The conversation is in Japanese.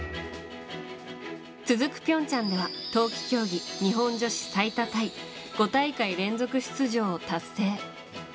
つづく平昌では冬季競技日本女子最多タイ５大会連続出場を達成。